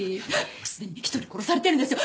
すでに一人殺されてるんですよ。